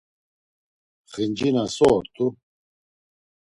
Xincina so ort̆u?